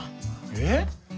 えっ？